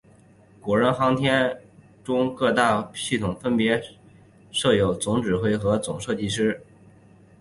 中国载人航天工程各大系统分别设有总指挥和总设计师。